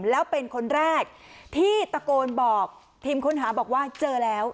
แล้วเป็นคนแรกที่ตะโกนบอกทีมค้นหาบอกว่าเจอแล้ว